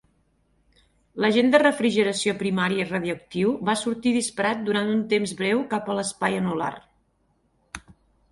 L'agent de refrigeració primari radioactiu va sortir disparat durant un temps breu cap a l'espai anular.